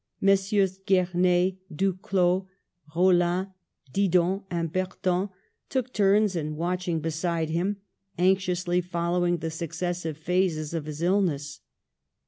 Messrs. Gernex, Duclaux, Raulin, Didon and Bertin took turns in watching beside him, anx iously following the successive phases of his ill ness.